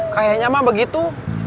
kayaknya mah begitu